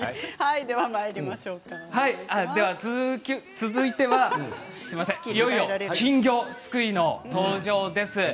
続いてはいよいよ金魚すくいの登場です。